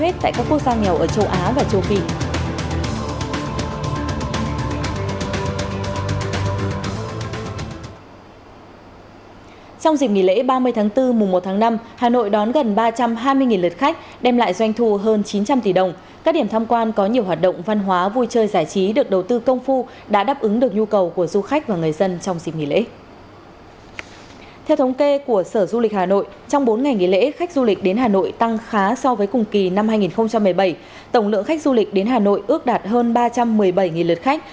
tổng lượng khách du lịch đến hà nội ước đạt hơn ba trăm một mươi bảy lượt khách